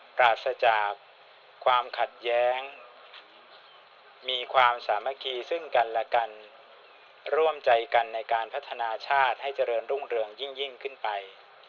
ปราศจากความขัดแย้งมีความสามัคคีซึ่งกันและกันร่วมใจกันในการพัฒนาชาติให้เจริญรุ่งเรืองยิ่งขึ้นไป